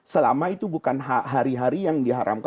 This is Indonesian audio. selama itu bukan hari hari yang diharamkan